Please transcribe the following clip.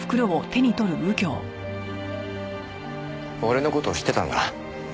俺の事知ってたんだ。